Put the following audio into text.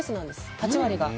８割が。